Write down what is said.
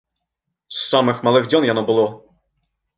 З самых малых дзён яно было!